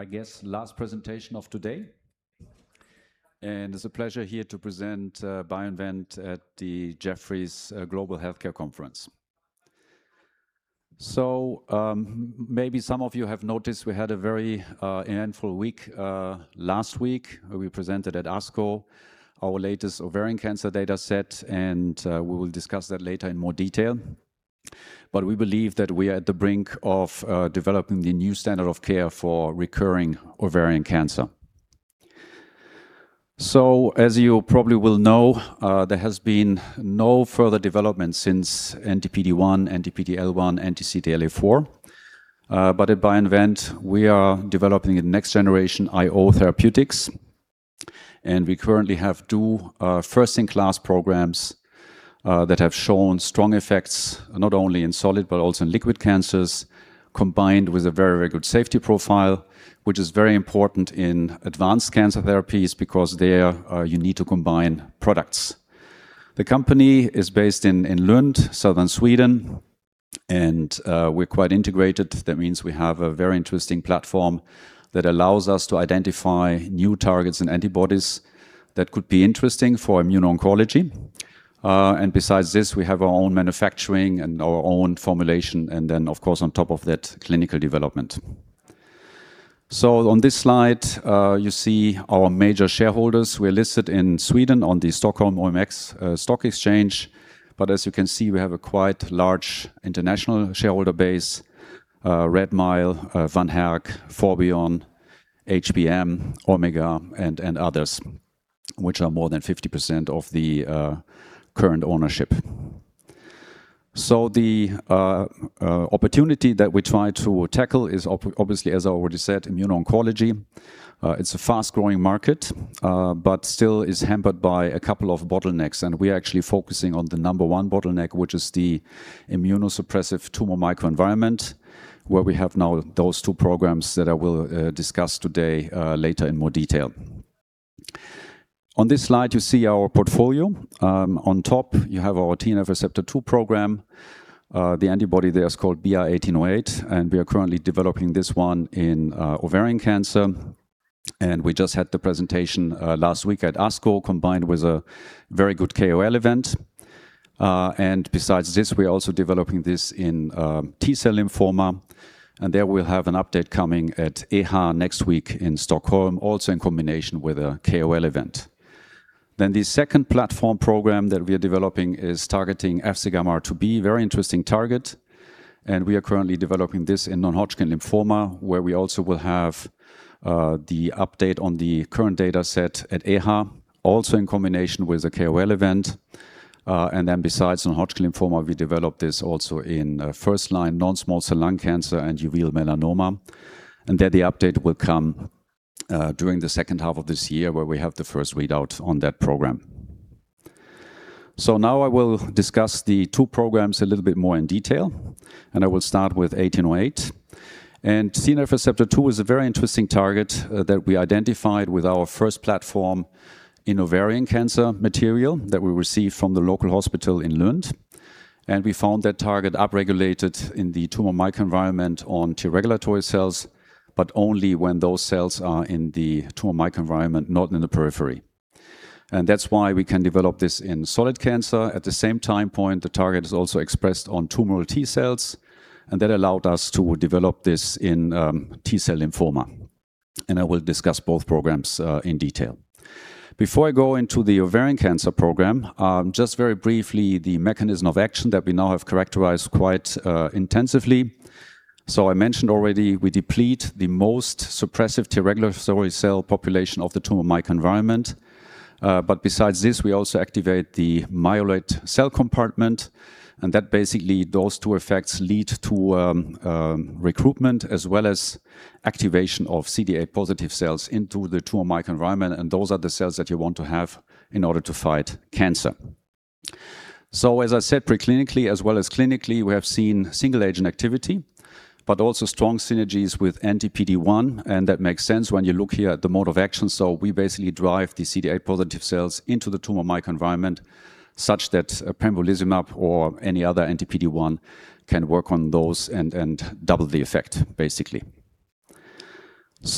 I guess last presentation of today, and it's a pleasure here to present BioInvent at the Jefferies Global Healthcare Conference. Maybe some of you have noticed we had a very eventful week last week. We presented at ASCO our latest ovarian cancer data set, and we will discuss that later in more detail. We believe that we are at the brink of developing the new standard of care for recurring ovarian cancer. As you probably will know, there has been no further development since anti-PD-1, anti-PD-L1, anti-CTLA-4. At BioInvent, we are developing a next-generation IO therapeutics, and we currently have two first-in-class programs that have shown strong effects not only in solid but also in liquid cancers, combined with a very good safety profile, which is very important in advanced cancer therapies because there you need to combine products. The company is based in Lund, southern Sweden, and we're quite integrated. That means we have a very interesting platform that allows us to identify new targets and antibodies that could be interesting for immune oncology. Besides this, we have our own manufacturing and our own formulation, and of course, on top of that, clinical development. On this slide, you see our major shareholders. We're listed in Sweden on the Nasdaq Stockholm. As you can see, we have a quite large international shareholder base, Redmile, van Herk, Forbion, HBM, Omega, and others, which are more than 50% of the current ownership. The opportunity that we try to tackle is obviously, as I already said, immune oncology. It's a fast-growing market but still is hampered by a couple of bottlenecks. We are actually focusing on the number 1 bottleneck, which is the immunosuppressive tumor microenvironment, where we have now those two programs that I will discuss today later in more detail. On this slide, you see our portfolio. On top, you have our TNF receptor two program. The antibody there is called BI-1808. We are currently developing this one in ovarian cancer. We just had the presentation last week at ASCO, combined with a very good KOL event. Besides this, we're also developing this in T-cell lymphoma. There we'll have an update coming at EHA next week in Stockholm, also in combination with a KOL event. The second platform program that we are developing is targeting FcγRIIB, very interesting target. We are currently developing this in non-Hodgkin lymphoma, where we also will have the update on the current data set at EHA, also in combination with a KOL event. Besides non-Hodgkin lymphoma, we develop this also in first-line non-small cell lung cancer and uveal melanoma, and there the update will come during the second half of this year, where we have the first readout on that program. I will discuss the two programs a little bit more in detail, and I will start with 1808. Tumor Necrosis Factor Receptor two is a very interesting target that we identified with our first platform in ovarian cancer material that we received from the local hospital in Lund. We found that target upregulated in the tumor microenvironment on T regulatory cells, but only when those cells are in the tumor microenvironment, not in the periphery. That's why we can develop this in solid cancer. At the same time point, the target is also expressed on tumoral T cells, and that allowed us to develop this in T-cell lymphoma. I will discuss both programs in detail. Before I go into the ovarian cancer program, just very briefly, the mechanism of action that we now have characterized quite intensively. I mentioned already, we deplete the most suppressive regulatory cell population of the tumor microenvironment. Besides this, we also activate the myeloid cell compartment, and that basically those two effects lead to recruitment as well as activation of CD8-positive cells into the tumor microenvironment, and those are the cells that you want to have in order to fight cancer. As I said, pre-clinically as well as clinically, we have seen single-agent activity but also strong synergies with anti-PD-1, and that makes sense when you look here at the mode of action. We basically drive the CD8-positive cells into the tumor microenvironment such that pembrolizumab or any other anti-PD-1 can work on those and double the effect, basically.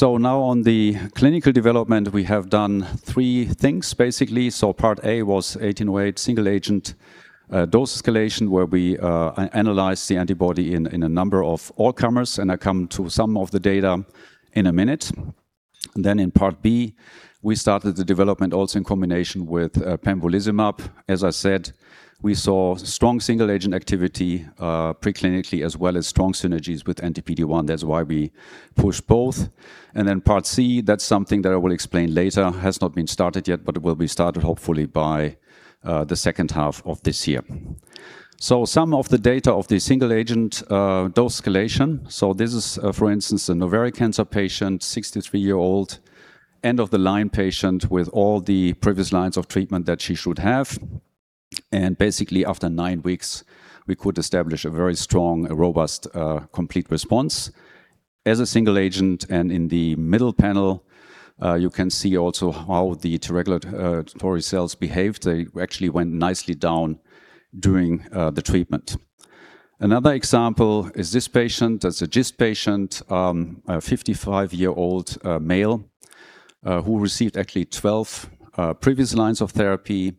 Now on the clinical development, we have done three things, basically. Part A was BI-1808 single-agent dose escalation, where we analyzed the antibody in a number of all comers, and I come to some of the data in a minute. In part B, we started the development also in combination with pembrolizumab. As I said, we saw strong single-agent activity pre-clinically as well as strong synergies with anti-PD-1. That's why we pushed both. Then part C, that is something that I will explain later, has not been started yet, but will be started hopefully by the second half of this year. Some of the data of the single-agent dose escalation. This is, for instance, an ovarian cancer patient, 63-year-old, end-of-the-line patient with all the previous lines of treatment that she should have. Basically, after nine weeks, we could establish a very strong, robust, complete response as a single agent. In the middle panel, you can see also how the regulatory cells behaved. They actually went nicely down during the treatment. Another example is this patient. That is a GIST patient, a 55-year-old male, who received actually 12 previous lines of therapy.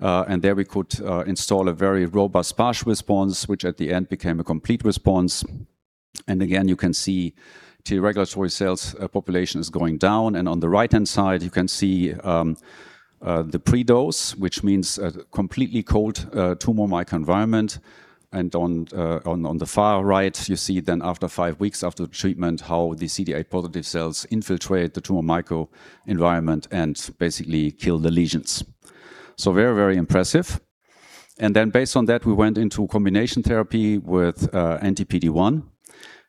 There we could install a very robust partial response, which at the end became a complete response. Again, you can see T regulatory cells population is going down, on the right-hand side, you can see the pre-dose, which means a completely cold tumor microenvironment. On the far right, you see then after five weeks after the treatment how the CD8-positive cells infiltrate the tumor microenvironment and basically kill the lesions. Very, very impressive. Based on that, we went into combination therapy with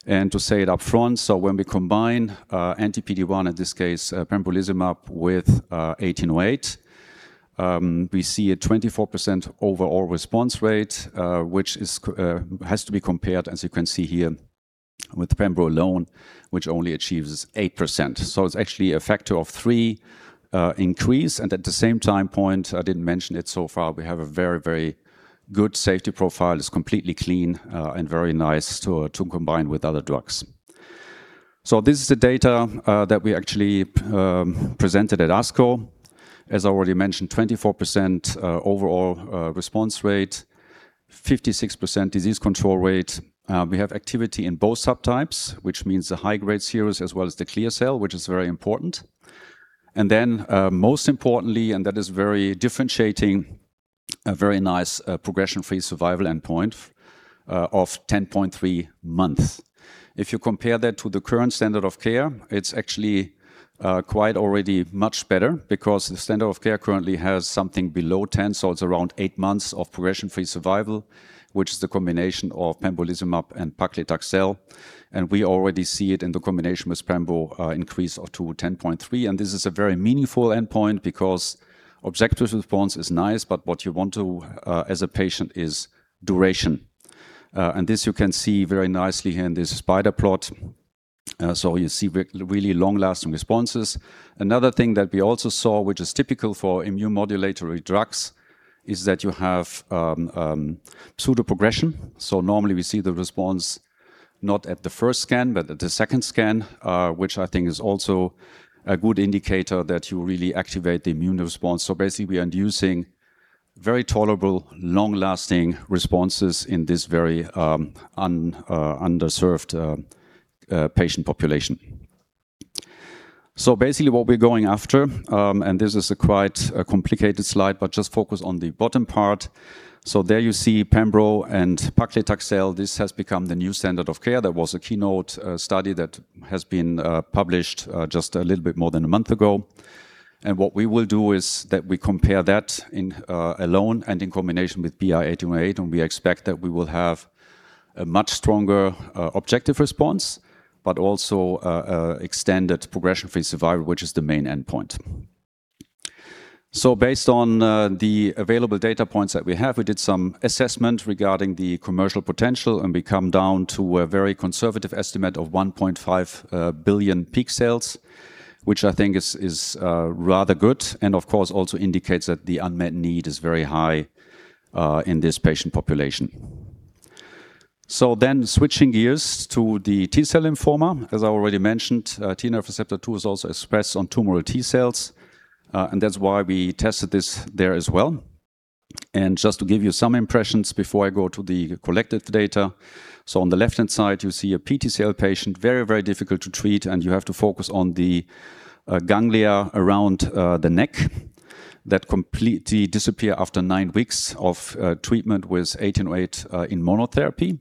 anti-PD-1. To say it up front, so when we combine anti-PD-1, in this case pembrolizumab, with BI-1808, we see a 24% overall response rate, which has to be compared, as you can see here, with pembro alone, which only achieves eight percent. It's actually a factor of three increase, and at the same time point, I didn't mention it so far, we have a very, very good safety profile. It's completely clean and very nice to combine with other drugs. This is the data that we actually presented at ASCO. As I already mentioned, 24% overall response rate, 56% disease control rate. We have activity in both subtypes, which means the high-grade serous as well as the clear cell, which is very important. Most importantly, and that is very differentiating, a very nice progression-free survival endpoint of 10.3 months. If you compare that to the current standard of care, it's actually quite already much better because the standard of care currently has something below ten, so it's around eight months of progression-free survival, which is the combination of pembrolizumab and paclitaxel. We already see it in the combination with pembro increase to 10.3, and this is a very meaningful endpoint because objective response is nice, but what you want as a patient is duration. This you can see very nicely here in this spider plot. You see really long-lasting responses. Another thing that we also saw, which is typical for immunomodulatory drugs, is that you have pseudoprogression. Normally we see the response not at the first scan but at the second scan, which I think is also a good indicator that you really activate the immune response. Basically, we are inducing very tolerable, long-lasting responses in this very underserved patient population. Basically what we're going after, this is a quite complicated slide, but just focus on the bottom part. There you see pembro and paclitaxel. This has become the new standard of care. That was a KEYNOTE study that has been published just a little bit more than a month ago. What we will do is that we compare that alone and in combination with BI-1808, and we expect that we will have a much stronger objective response, but also extended progression-free survival, which is the main endpoint. Based on the available data points that we have, we did some assessment regarding the commercial potential, and we come down to a very conservative estimate of 1.5 billion peak sales, which I think is rather good, and of course, also indicates that the unmet need is very high in this patient population. Switching gears to the T-cell lymphoma. As I already mentioned, T-cell receptor two is also expressed on tumoral T cells, and that's why we tested this there as well. Just to give you some impressions before I go to the collected data. On the left-hand side, you see a PTCL patient, very, very difficult to treat, and you have to focus on the ganglia around the neck that completely disappear after nine weeks of treatment with BI-1808 in monotherapy.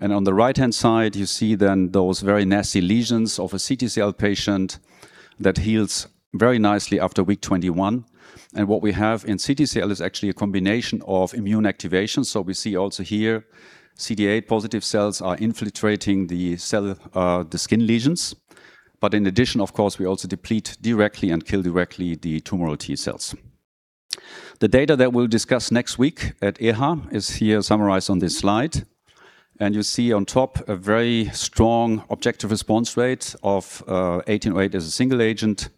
On the right-hand side, you see then those very nasty lesions of a CTCL patient that heals very nicely after week 21. What we have in CTCL is actually a combination of immune activation. We see also here CD8-positive cells are infiltrating the skin lesions, but in addition, of course, we also deplete directly and kill directly the tumoral T cells. The data that we'll discuss next week at EHA is here summarized on this slide. You see on top a very strong objective response rate of BI-1808 as a single agent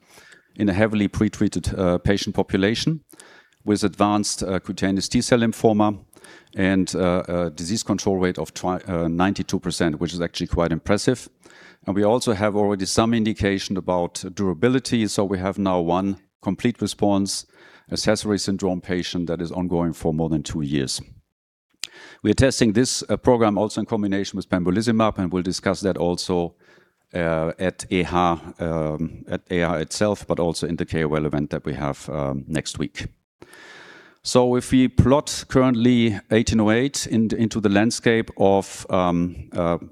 in a heavily pretreated patient population with advanced cutaneous T-cell lymphoma, and a disease control rate of 92%, which is actually quite impressive. We also have already some indication about durability. We have now one complete response Sézary syndrome patient that is ongoing for more than two years. We are testing this program also in combination with pembrolizumab, and we will discuss that also at EHA itself, but also in the KOL event that we have next week. If we plot currently BI-1808 into the landscape of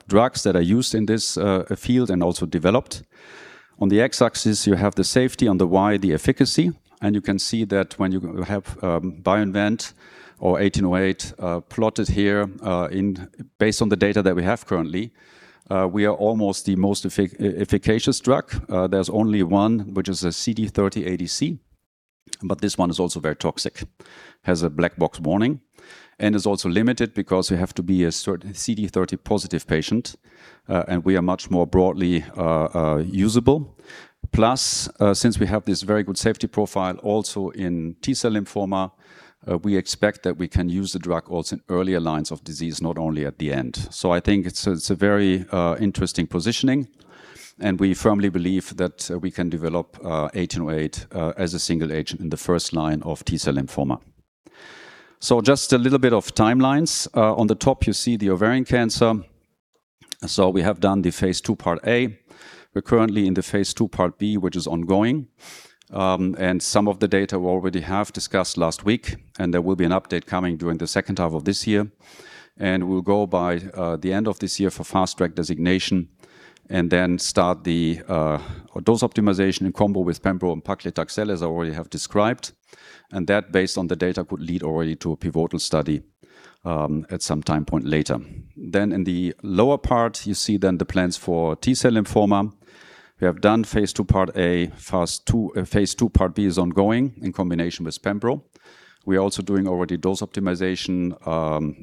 drugs that are used in this field and also developed, on the x-axis, you have the safety, on the y, the efficacy, and you can see that when you have BioInvent or BI-1808 plotted here based on the data that we have currently, we are almost the most efficacious drug. There's only one, which is a CD30 ADC. This one is also very toxic, has a Boxed Warning, and is also limited because you have to be a certain CD30-positive patient, and we are much more broadly usable. Since we have this very good safety profile also in T-cell lymphoma, we expect that we can use the drug also in earlier lines of disease, not only at the end. I think it's a very interesting positioning, and we firmly believe that we can develop BI-1808 as a single agent in the first line of T-cell lymphoma. Just a little bit of timelines. On the top, you see the ovarian cancer. We have done the phase II, part A. We're currently in the phase II, part B, which is ongoing. Some of the data we already have discussed last week, and there will be an update coming during the second half of this year. We'll go by the end of this year for Fast Track designation and then start the dose optimization in combo with pembrolizumab and paclitaxel, as I already have described. That, based on the data, could lead already to a pivotal study at some time point later. In the lower part, you see then the plans for T-cell lymphoma. We have done phase II, part A. Phase II, part B is ongoing in combination with pembro. We are also doing already dose optimization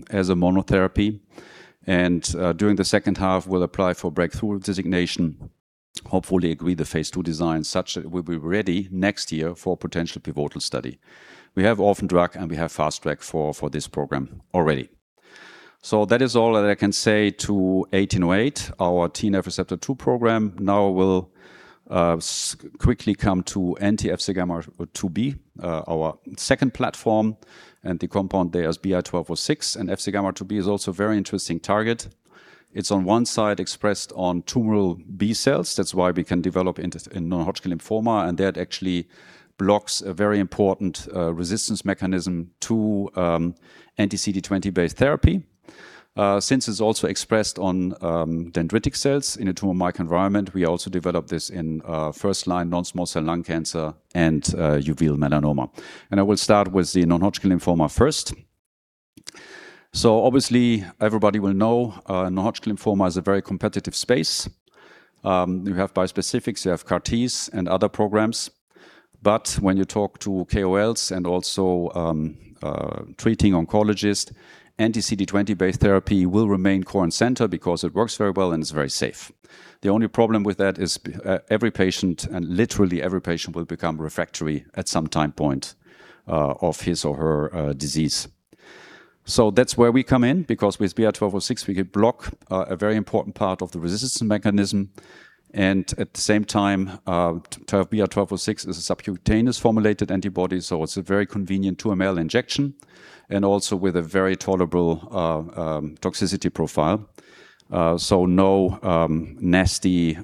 as a monotherapy. During the second half, we'll apply for Breakthrough Therapy designation, hopefully agree the phase II design such that we'll be ready next year for potential pivotal study. We have Orphan Drug Designation, and we have Fast Track designation for this program already. That is all that I can say to BI-1808, our TNFR2 program. Now we'll quickly come to anti-FcγRIIb, our second platform, and the compound there is BI-1206. FcγRIIb is also a very interesting target. It's on one side expressed on tumoral B cells. That's why we can develop in non-Hodgkin lymphoma, and that actually blocks a very important resistance mechanism to anti-CD20-based therapy. Since it's also expressed on dendritic cells in a tumor microenvironment, we also developed this in first-line non-small cell lung cancer and uveal melanoma. I will start with the non-Hodgkin lymphoma first. Obviously, everybody will know non-Hodgkin lymphoma is a very competitive space. You have bispecifics, you have CAR-Ts and other programs. When you talk to KOLs and also treating oncologists, anti-CD20-based therapy will remain core and center because it works very well and is very safe. The only problem with that is every patient, and literally every patient will become refractory at some time point of his or her disease. That's where we come in, because with BI-1206, we can block a very important part of the resistance mechanism. At the same time, BI-1206 is a subcutaneous formulated antibody, so it's a very convenient two-ml injection and also with a very tolerable toxicity profile. No nasty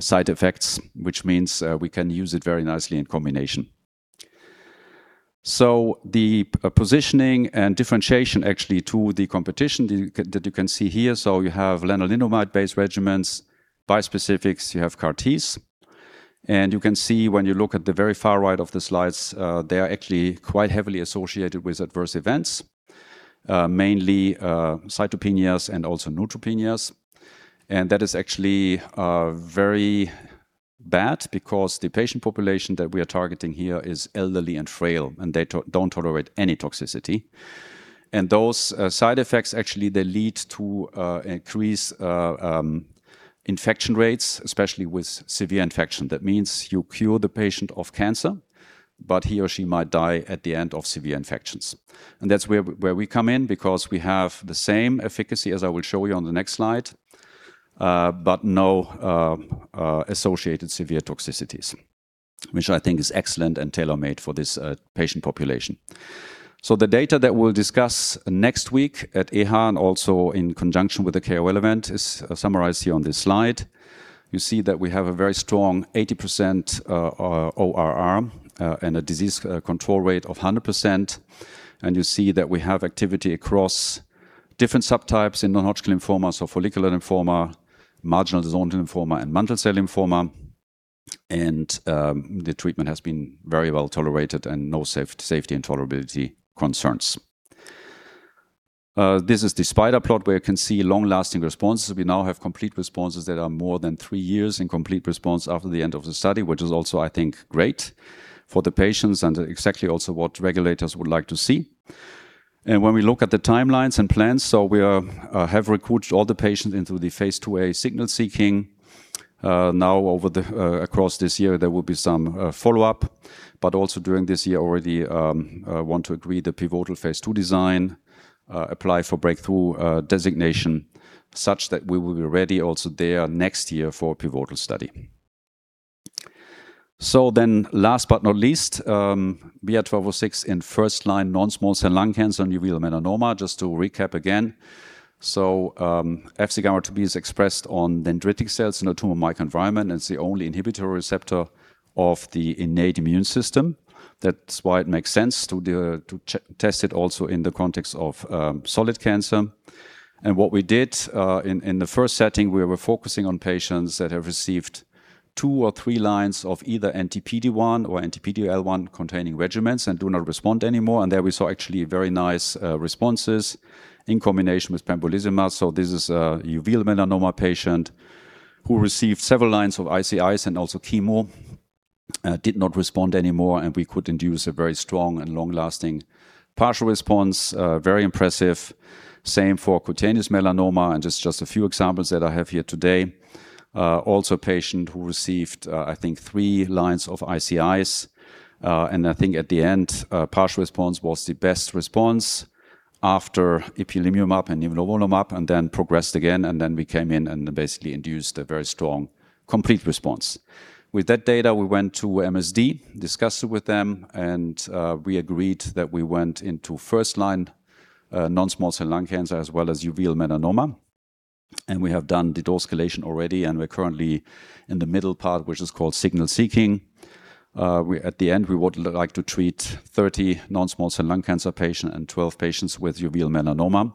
side effects, which means we can use it very nicely in combination. The positioning and differentiation actually to the competition that you can see here. You have lenalidomide-based regimens, bispecifics, you have CAR-Ts. You can see when you look at the very far right of the slides, they are actually quite heavily associated with adverse events, mainly cytopenias and also neutropenias. That is actually very bad because the patient population that we are targeting here is elderly and frail, and they don't tolerate any toxicity. Those side effects, actually, they lead to increased infection rates, especially with severe infection. That means you cure the patient of cancer, but he or she might die at the end of severe infections. That's where we come in because we have the same efficacy as I will show you on the next slide, but no associated severe toxicities, which I think is excellent and tailor-made for this patient population. The data that we'll discuss next week at EHA and also in conjunction with the KOL event is summarized here on this slide. You see that we have a very strong 80% ORR and a disease control rate of 100%. You see that we have activity across different subtypes in non-Hodgkin lymphoma, so follicular lymphoma, marginal zone lymphoma, and mantle cell lymphoma. The treatment has been very well tolerated and no safety and tolerability concerns. This is the spider plot where you can see long-lasting responses. We now have complete responses that are more than three years in complete response after the end of the study, which is also, I think, great for the patients and exactly also what regulators would like to see. When we look at the timelines and plans, we have recruited all the patients into the phase II-A signal-seeking. Now across this year, there will be some follow-up, but also during this year already want to agree the pivotal phase II design, apply for Breakthrough Therapy designation such that we will be ready also there next year for a pivotal study. Last but not least, BI-1206 in first-line non-small cell lung cancer and uveal melanoma. Just to recap again. FcγRIIB is expressed on dendritic cells in a tumor microenvironment, and it's the only inhibitor receptor of the innate immune system. That's why it makes sense to test it also in the context of solid cancer. What we did in the first setting, we were focusing on patients that have received two or three lines of either anti-PD-1 or anti-PD-L1-containing regimens and do not respond anymore. There we saw actually very nice responses in combination with pembrolizumab. This is a uveal melanoma patient who received several lines of ICIs and also chemo did not respond anymore, and we could induce a very strong and long-lasting partial response. Very impressive. Same for cutaneous melanoma, and it's just a few examples that I have here today. Also, a patient who received, I think, three lines of ICIs, and I think at the end, partial response was the best response after ipilimumab and nivolumab, and then progressed again. Then we came in and basically induced a very strong complete response. With that data, we went to MSD, discussed it with them, and we agreed that we went into first-line non-small cell lung cancer as well as uveal melanoma. We have done de-escalation already, and we are currently in the middle part, which is called signal seeking. At the end, we would like to treat 30 non-small cell lung cancer patients and 12 patients with uveal melanoma,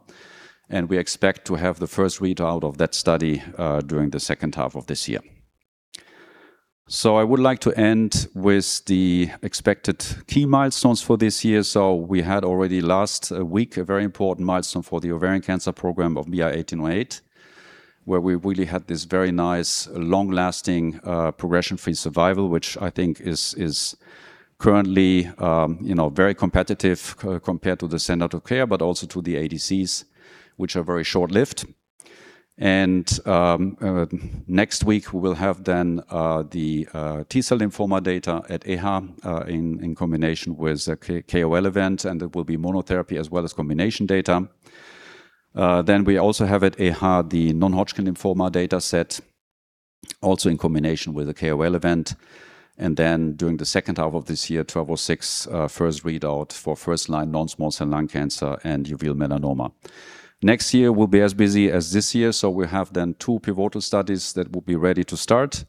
and we expect to have the first readout of that study during the second half of this year. I would like to end with the expected key milestones for this year. We had already last week a very important milestone for the ovarian cancer program of BI-1808, where we really had this very nice, long-lasting progression-free survival, which I think is currently very competitive compared to the standard of care, but also to the ADCs, which are very short-lived. Next week we will have the T-cell lymphoma data at EHA in combination with KOL event, and it will be monotherapy as well as combination data. We also have at EHA the non-Hodgkin lymphoma data set, also in combination with a KOL event. During the second half of this year, 1206 first readout for first-line non-small cell lung cancer and uveal melanoma. Next year, we will be as busy as this year, so we have then two pivotal studies that will be ready to start,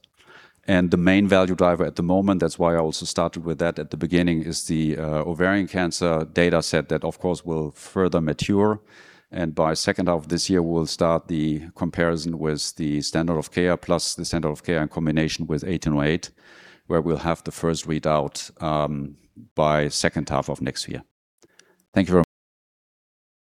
and the main value driver at the moment, that is why I also started with that at the beginning, is the ovarian cancer data set. That, of course, will further mature. By second half of this year, we'll start the comparison with the standard of care, plus the standard of care in combination with 1808, where we'll have the first readout by second half of next year. Thank you very much.